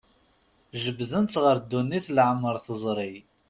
Jebbden-tt ɣer ddunit leɛmer teẓri.